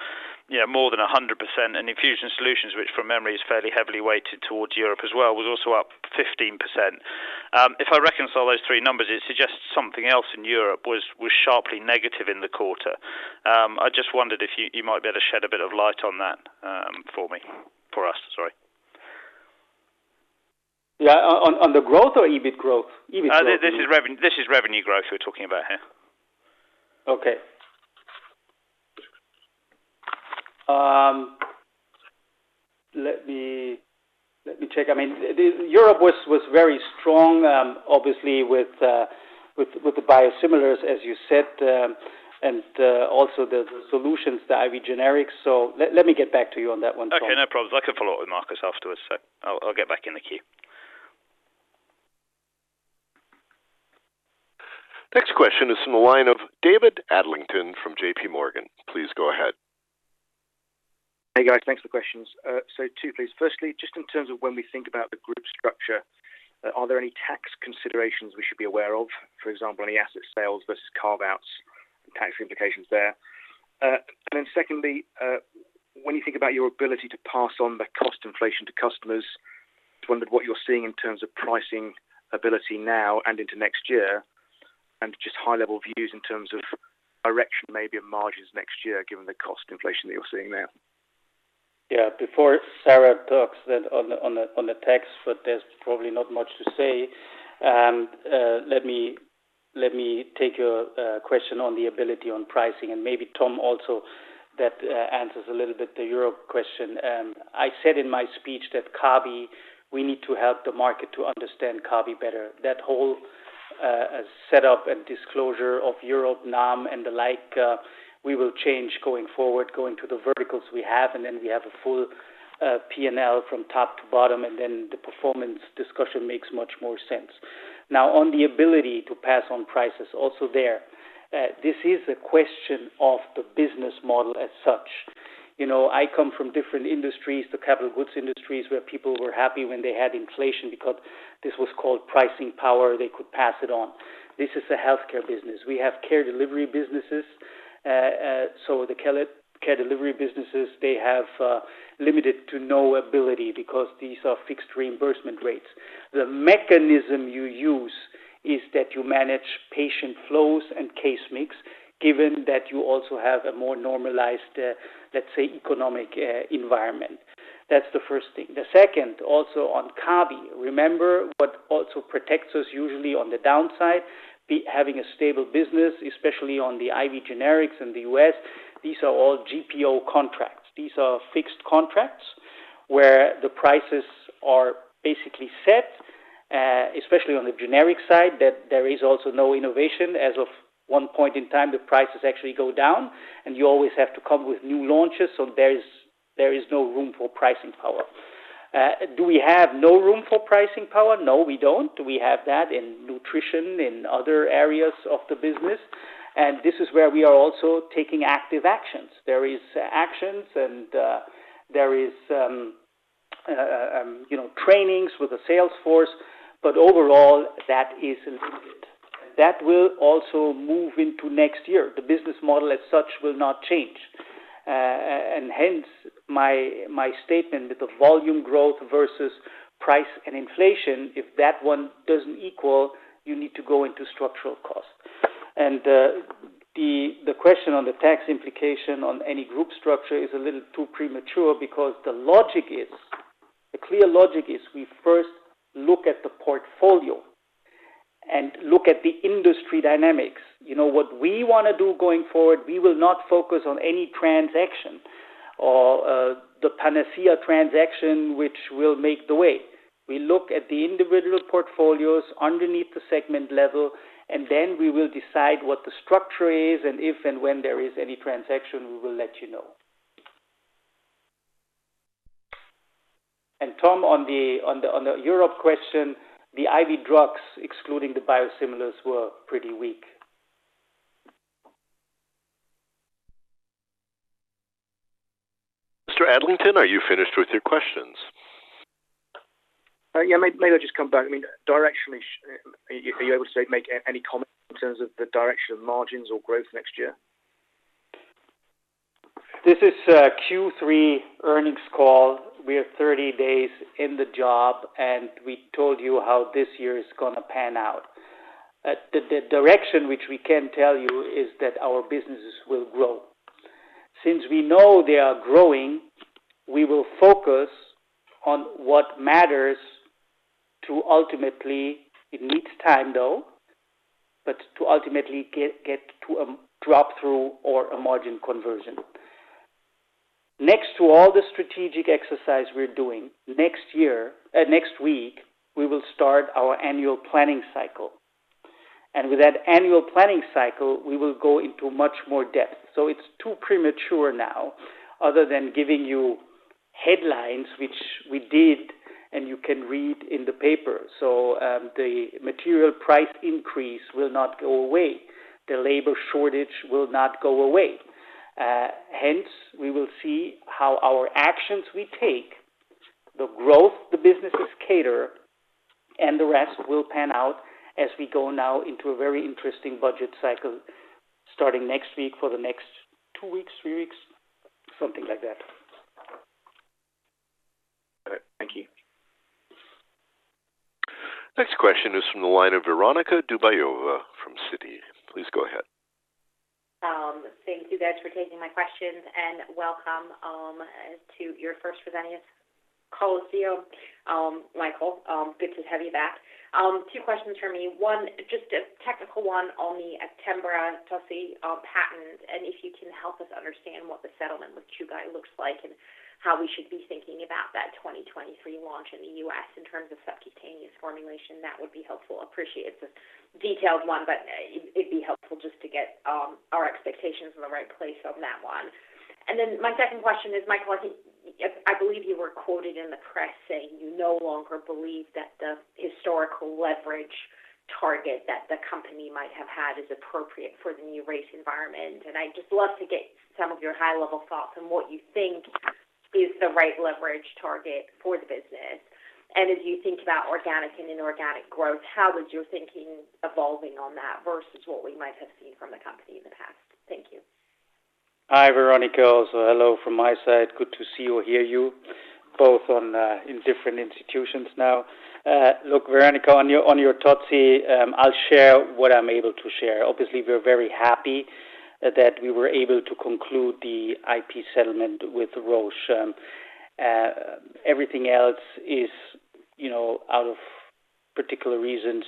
you know, more than 100%. Infusion solutions, which from memory is fairly heavily weighted towards Europe as well, was also up 15%. If I reconcile those three numbers, it suggests something else in Europe was sharply negative in the quarter. I just wondered if you might be able to shed a bit of light on that, for me. For us, sorry. Yeah. On the growth or EBIT growth? EBIT growth. This is revenue growth we're talking about here. Okay. Let me check. I mean, Europe was very strong, obviously with the biosimilars, as you said, and also the solutions, the I.V. generics. Let me get back to you on that one, Tom. Okay, no problems. I can follow up with Markus afterwards. I'll get back in the queue. Next question is from the line of David Adlington from JP Morgan. Please go ahead. Hey, guys. Thanks for the questions. So two, please. Firstly, just in terms of when we think about the group structure, are there any tax considerations we should be aware of? For example, any asset sales versus carve-outs and tax implications there. Secondly, when you think about your ability to pass on the cost inflation to customers, just wondered what you're seeing in terms of pricing ability now and into next year, and just high-level views in terms of direction, maybe in margins next year, given the cost inflation that you're seeing now. Yeah. Before Sarah talks then on the tax front, there's probably not much to say. Let me take your question on the ability on pricing and maybe Tom also that answers a little bit the Europe question. I said in my speech that Kabi, we need to help the market to understand Kabi better. That whole a set up and disclosure of Europe, NAM and the like, we will change going forward, going to the verticals we have, and then we have a full P&L from top to bottom, and then the performance discussion makes much more sense. Now on the ability to pass on prices also there, this is a question of the business model as such. You know, I come from different industries, the capital goods industries, where people were happy when they had inflation because this was called pricing power, they could pass it on. This is a healthcare business. We have care delivery businesses. The care delivery businesses, they have limited to no ability because these are fixed reimbursement rates. The mechanism you use is that you manage patient flows and case mix, given that you also have a more normalized, let's say, economic environment. That's the first thing. The second, also on Kabi, remember what also protects us usually on the downside, having a stable business, especially on the IV generics in the U.S., these are all GPO contracts. These are fixed contracts where the prices are basically set, especially on the generic side, that there is also no innovation. As of one point in time, the prices actually go down, and you always have to come with new launches, so there is no room for pricing power. Do we have no room for pricing power? No, we don't. We have that in nutrition, in other areas of the business. This is where we are also taking active actions. There is actions and there is you know trainings with the sales force. But overall, that is limited. That will also move into next year. The business model as such will not change. Hence, my statement that the volume growth versus price and inflation, if that one doesn't equal, you need to go into structural costs. The question on the tax implication on any group structure is a little too premature because the logic is, the clear logic is we first look at the portfolio and look at the industry dynamics. You know, what we want to do going forward, we will not focus on any transaction or, the panacea transaction, which will make the way. We look at the individual portfolios underneath the segment level, and then we will decide what the structure is, and if and when there is any transaction, we will let you know. Tom, on the Europe question, the I.V. drugs, excluding the biosimilars, were pretty weak. Mr. Adlington, are you finished with your questions? Yeah, may I just come back? I mean, directionally, are you able to make any comments in terms of the direction of margins or growth next year? This is Q3 earnings call. We are 30 days in the job, and we told you how this year is going to pan out. The direction which we can tell you is that our businesses will grow. Since we know they are growing, we will focus on what matters to ultimately, it needs time, though, but to ultimately get to a drop through or a margin conversion. Next to all the strategic exercise we're doing, next week, we will start our annual planning cycle. With that annual planning cycle, we will go into much more depth. It's too premature now other than giving you headlines, which we did and you can read in the paper. The material price increase will not go away. The labor shortage will not go away. Hence, we will see how our actions we take, the growth the businesses create, and the rest will pan out as we go now into a very interesting budget cycle starting next week for the next two weeks, three weeks, something like that. All right. Thank you. Next question is from the line of Veronika Dubajova from Citi. Please go ahead. Thank you guys for taking my questions, and welcome to your first Fresenius conference. Michael, good to have you back. Two questions for me. One, just a technical one on the adalimumab tocilizumab patent, and if you can help us understand what the settlement with Chugai looks like and how we should be thinking about that 2023 launch in the U.S. in terms of subcutaneous formulation, that would be helpful. Appreciate it's a detailed one, but it'd be helpful just to get our expectations in the right place on that one. My second question is, Michael, I think, I believe you were quoted in the press saying you no longer believe that the historical leverage target that the company might have had is appropriate for the new rate environment. I'd just love to get some of your high-level thoughts on what you think is the right leverage target for the business. As you think about organic and inorganic growth, how is your thinking evolving on that versus what we might have seen from the company in the past? Thank you. Hi, Veronika. Also hello from my side. Good to see or hear you both online in different institutions now. Look, Veronika, on your Tyenne, I'll share what I'm able to share. Obviously, we're very happy that we were able to conclude the IP settlement with Roche. Everything else is, you know, out of particular reasons,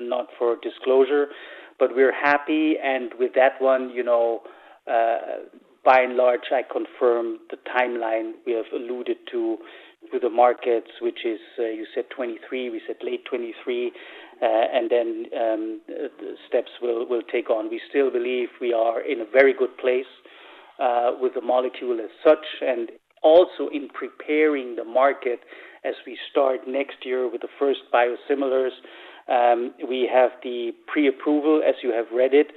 not for disclosure. We're happy. With that one, you know, by and large, I confirm the timeline we have alluded to the markets, which is, you said 2023, we said late 2023, and then, the steps we'll take on. We still believe we are in a very good place, with the molecule as such, and also in preparing the market as we start next year with the first biosimilars. We have the pre-approval, as you have read it.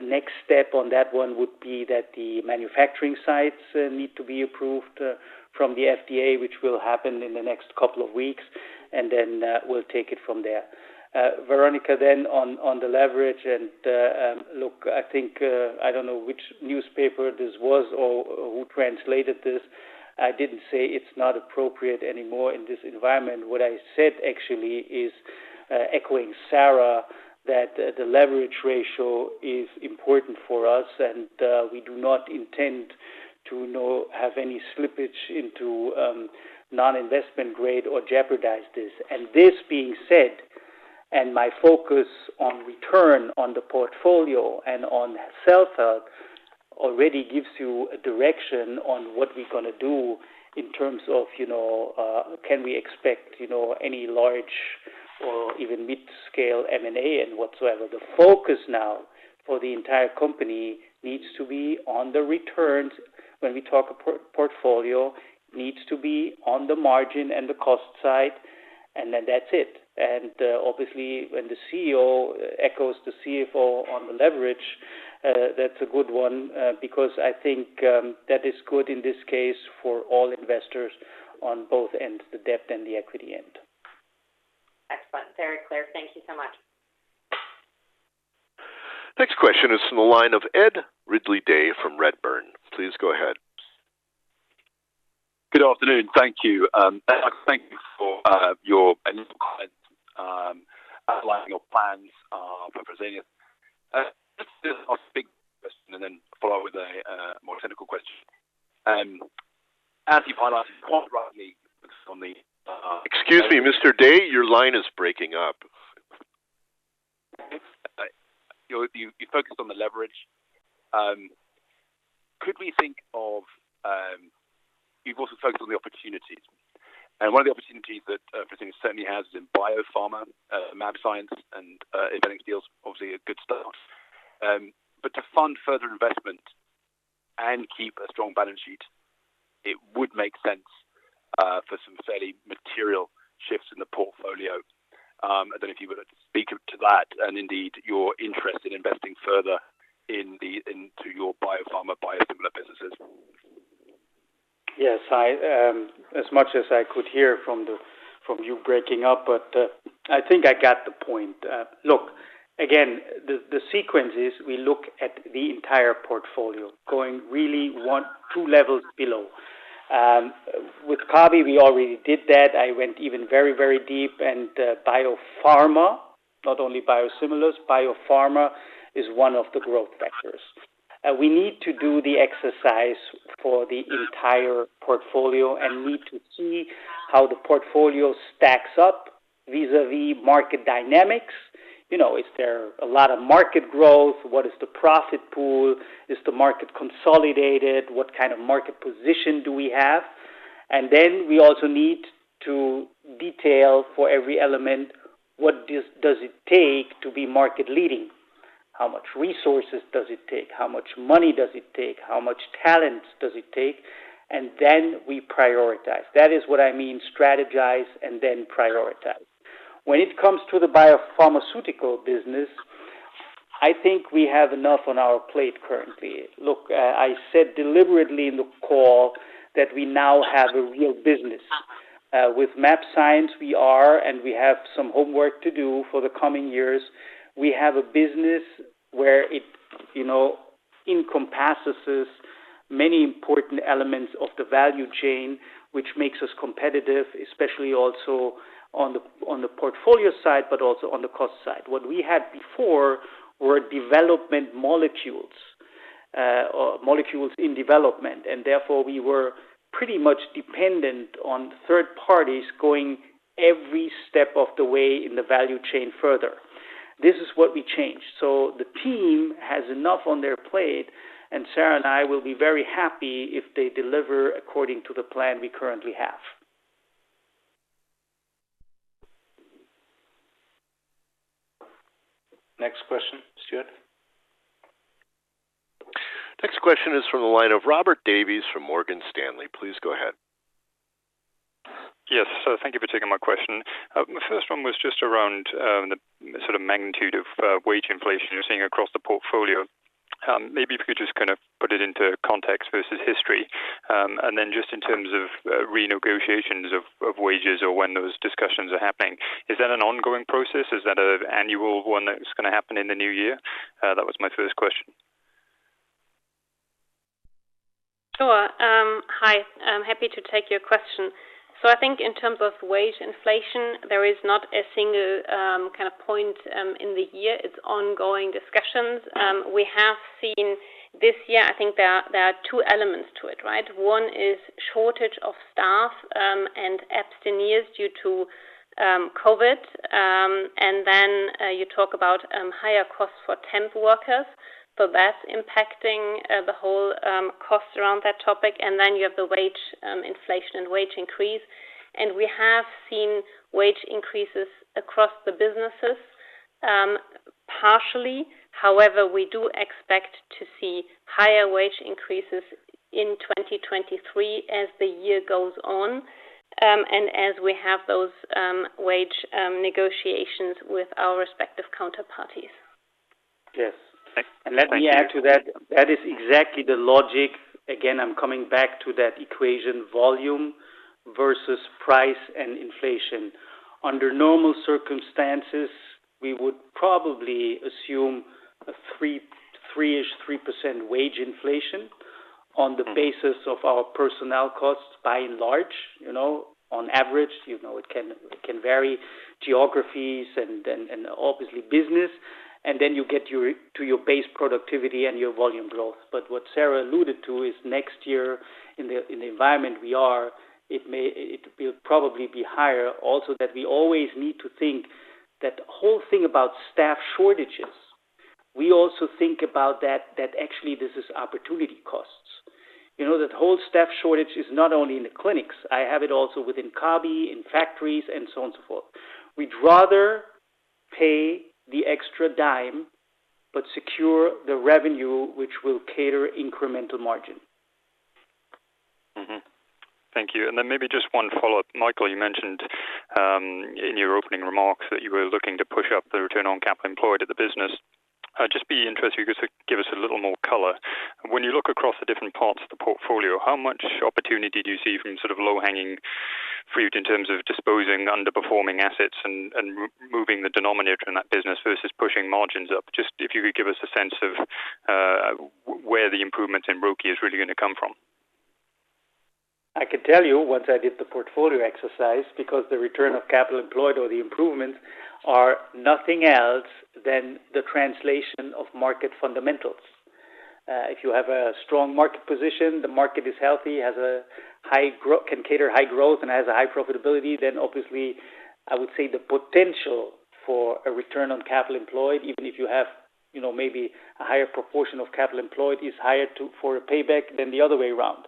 Next step on that one would be that the manufacturing sites need to be approved from the FDA, which will happen in the next couple of weeks, and then we'll take it from there. Veronika, on the leverage and look, I think I don't know which newspaper this was or who translated this. I didn't say it's not appropriate anymore in this environment. What I said actually is echoing Sara, that the leverage ratio is important for us and we do not intend to have any slippage into non-investment grade or jeopardize this. This being said, and my focus on return on the portfolio and on delta already gives you a direction on what we're gonna do in terms of, you know, can we expect, you know, any large or even mid-scale M&A and whatsoever. The focus now for the entire company needs to be on the returns when we talk portfolio, needs to be on the margin and the cost side, and then that's it. Obviously, when the CEO echoes the CFO on the leverage, that's a good one, because I think, that is good in this case for all investors on both ends, the debt and the equity end. Excellent. Very clear. Thank you so much. Next question is from the line of Ed Ridley-Day from Redburn. Please go ahead. Good afternoon. Thank you. Thank you for your initial comments outlining your plans for Fresenius. Just a big question and then follow with a more technical question. As you highlighted quite rightly on the, Excuse me, Mr. Day, your line is breaking up. You focused on the leverage. You've also focused on the opportunities. One of the opportunities that Fresenius certainly has is in Biopharma, mAbxience and Ivenix deals, obviously a good start. To fund further investment and keep a strong balance sheet, it would make sense for some fairly material shifts in the portfolio. I don't know if you would speak to that and indeed your interest in investing further into your Biopharma biosimilar businesses. Yes. As much as I could hear from you breaking up, but I think I got the point. Look, again, the sequence is we look at the entire portfolio going really one-two levels below. With Kabi, we already did that. I went even very, very deep. Biopharma, not only biosimilars, Biopharma is one of the growth vectors. We need to do the exercise for the entire portfolio and need to see how the portfolio stacks up vis-à-vis market dynamics. You know, is there a lot of market growth? What is the profit pool? Is the market consolidated? What kind of market position do we have? Then we also need to detail for every element, what does it take to be market leading? How much resources does it take? How much money does it take? How much talent does it take? We prioritize. That is what I mean, strategize and then prioritize. When it comes to the biopharmaceutical business, I think we have enough on our plate currently. Look, I said deliberately in the call that we now have a real business. With mAbxience, we are, and we have some homework to do for the coming years. We have a business where it, you know, encompasses many important elements of the value chain, which makes us competitive, especially also on the, on the portfolio side, but also on the cost side. What we had before were development molecules, or molecules in development, and therefore we were pretty much dependent on third parties going every step of the way in the value chain further. This is what we changed. The team has enough on their plate, and Sara and I will be very happy if they deliver according to the plan we currently have. Next question, Stuart. Next question is from the line of Robert Davies from Morgan Stanley. Please go ahead. Yes. Thank you for taking my question. My first one was just around the sort of magnitude of wage inflation you're seeing across the portfolio. Maybe if you could just kind of put it into context versus history. Just in terms of renegotiations of wages or when those discussions are happening, is that an ongoing process? Is that an annual one that's gonna happen in the new year? That was my first question. Sure. Hi. I'm happy to take your question. I think in terms of wage inflation, there is not a single, kind of point, in the year. It's ongoing discussions. We have seen this year, I think there are two elements to it, right? One is shortage of staff, and absentees due to COVID, and then you talk about higher costs for temp workers. That's impacting the whole cost around that topic. You have the wage inflation and wage increase. We have seen wage increases across the businesses, partially. However, we do expect to see higher wage increases in 2023 as the year goes on, and as we have those wage negotiations with our respective counterparties. Yes. Let me add to that. That is exactly the logic. Again, I'm coming back to that equation volume versus price and inflation. Under normal circumstances, we would probably assume a 3%-ish wage inflation on the basis of our personnel costs by and large, you know. On average, you know. It can vary geographies and obviously business. Then you get to your base productivity and your volume growth. What Sara alluded to is next year in the environment we are, it may be higher. We always need to think that the whole thing about staff shortages. We also think about that actually this is opportunity costs. You know, that whole staff shortage is not only in the clinics, I have it also within Kabi, in factories and so on, so forth. We'd rather pay the extra dime, but secure the revenue which will capture incremental margin. Thank you. Maybe just one follow-up. Michael, you mentioned in your opening remarks that you were looking to push up the return on capital employed at the business. I'd just be interested if you could give us a little more color. When you look across the different parts of the portfolio, how much opportunity do you see from sort of low hanging fruit in terms of disposing underperforming assets and moving the denominator in that business versus pushing margins up? Just if you could give us a sense of where the improvement in ROCE is really gonna come from. I can tell you once I did the portfolio exercise, because the return on capital employed or the improvements are nothing else than the translation of market fundamentals. If you have a strong market position, the market is healthy, can cater high growth and has a high profitability, then obviously, I would say the potential for a return on capital employed, even if you have, you know, maybe a higher proportion of capital employed, is higher for a payback than the other way around.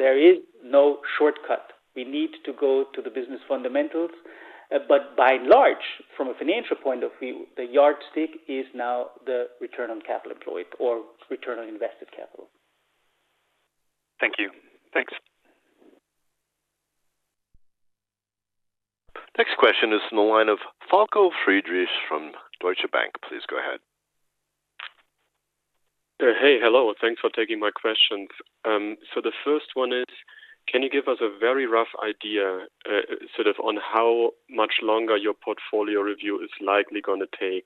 There is no shortcut. We need to go to the business fundamentals. By and large, from a financial point of view, the yardstick is now the return on capital employed or return on invested capital. Thank you. Thanks. Next question is from the line of Falko Friedrichs from Deutsche Bank. Please go ahead. Hey. Hello. Thanks for taking my questions. The first one is, can you give us a very rough idea, sort of on how much longer your portfolio review is likely gonna take?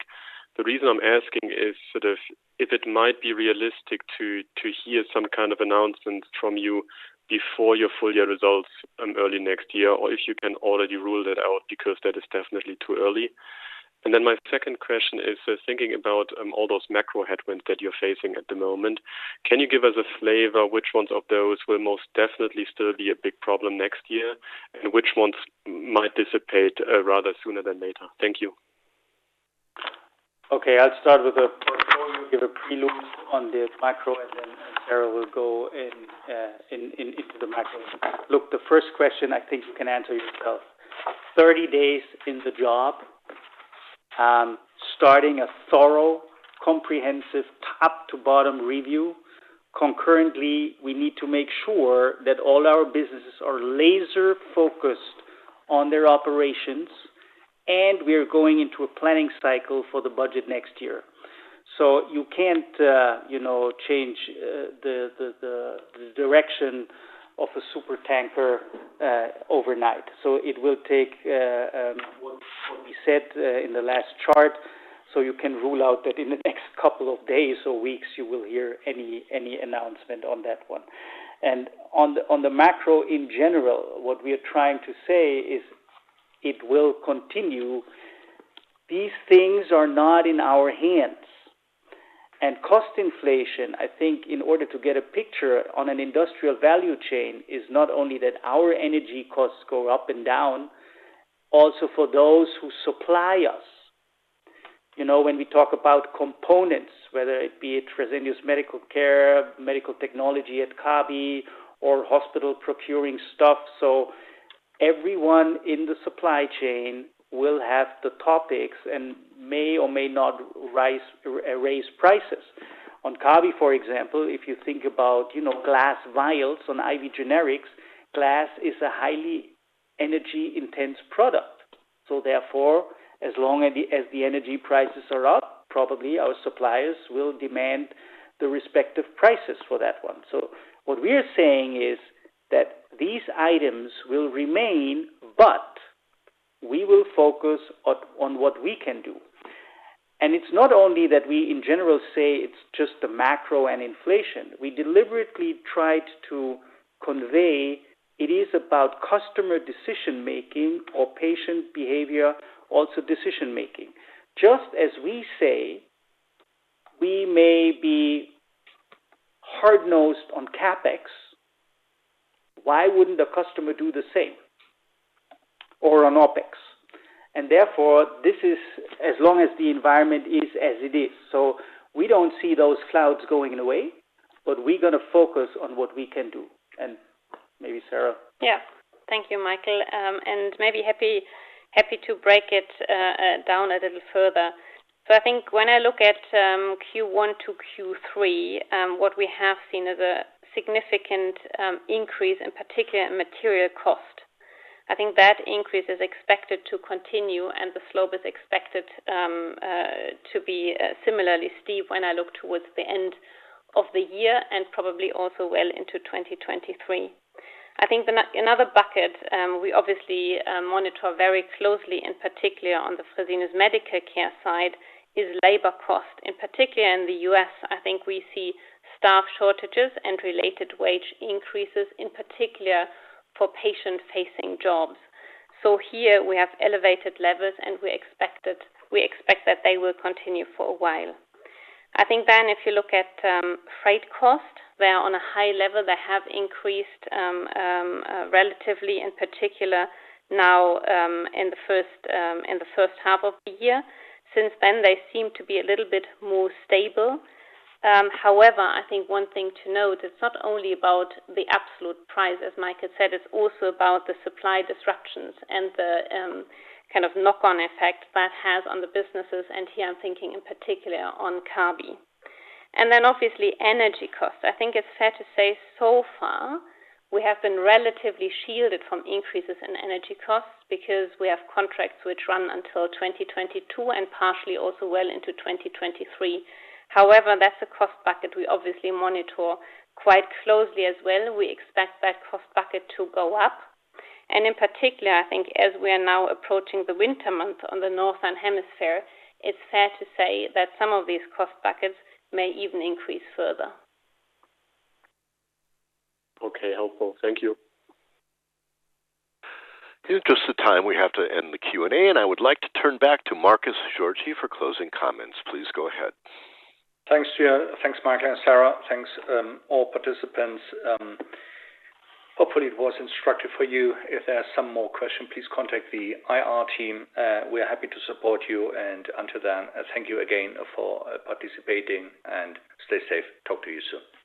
The reason I'm asking is sort of if it might be realistic to hear some kind of announcement from you before your full year results, early next year, or if you can already rule that out because that is definitely too early. My second question is, so thinking about all those macro headwinds that you're facing at the moment, can you give us a flavor which ones of those will most definitely still be a big problem next year, and which ones might dissipate rather sooner than later? Thank you. Okay. I'll start with the portfolio, give a prelude on the macro, and then Sara will go into the macro. Look, the first question I think you can answer yourself. 30 days in the job, starting a thorough, comprehensive top to bottom review. Concurrently, we need to make sure that all our businesses are laser focused on their operations, and we are going into a planning cycle for the budget next year. You can't, you know, change the direction of a supertanker overnight. It will take what we said in the last chart, so you can rule out that in the next couple of days or weeks, you will hear any announcement on that one. On the macro in general, what we are trying to say is it will continue. These things are not in our hands. Cost inflation, I think in order to get a picture on an industrial value chain, is not only that our energy costs go up and down, also for those who supply us. You know, when we talk about components, whether it be Fresenius Medical Care, medical technology at Kabi, or hospital procuring stuff. Everyone in the supply chain will have the topics and may or may not raise prices. On Kabi, for example, if you think about, you know, glass vials on IV generics, glass is a highly energy intense product. Therefore, as long as the energy prices are up, probably our suppliers will demand the respective prices for that one. What we're saying is that these items will remain, but we will focus on what we can do. It's not only that we in general say it's just the macro and inflation. We deliberately tried to convey it is about customer decision-making or patient behavior, also decision-making. Just as we say we may be Hard-nosed on CapEx, why wouldn't the customer do the same or on OpEx? Therefore, this is as long as the environment is as it is. We don't see those clouds going away, but we're gonna focus on what we can do. Maybe Sara. Yeah. Thank you, Michael. Maybe happy to break it down a little further. I think when I look at Q1 to Q3, what we have seen is a significant increase in particular in material cost. I think that increase is expected to continue, and the slope is expected to be similarly steep when I look towards the end of the year and probably also well into 2023. I think another bucket we obviously monitor very closely, and particularly on the Fresenius Medical Care side, is labor cost. In particular, in the U.S., I think we see staff shortages and related wage increases, in particular for patient-facing jobs. Here we have elevated levels, and we expect that they will continue for a while. I think if you look at freight costs, they are on a high level. They have increased relatively in particular now in the first half of the year. Since then, they seem to be a little bit more stable. However, I think one thing to note, it's not only about the absolute price, as Michael said, it's also about the supply disruptions and the kind of knock-on effect that has on the businesses. Here I'm thinking in particular on Kabi. Obviously energy costs. I think it's fair to say so far we have been relatively shielded from increases in energy costs because we have contracts which run until 2022 and partially also well into 2023. However, that's a cost bucket we obviously monitor quite closely as well. We expect that cost bucket to go up. In particular, I think as we are now approaching the winter month on the Northern Hemisphere, it's fair to say that some of these cost buckets may even increase further. Okay. Helpful. Thank you. In the interest of time, we have to end the Q&A, and I would like to turn back to Markus Georgi for closing comments. Please go ahead. Thanks to you. Thanks, Michael and Sara. Thanks, all participants. Hopefully it was instructive for you. If there are some more questions, please contact the IR team. We are happy to support you. Until then, thank you again for participating, and stay safe. Talk to you soon.